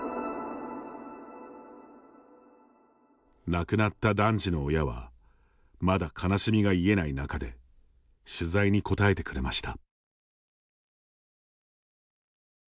亡くなった男児の親はまだ悲しみが癒えない中で取材に答えてくれました。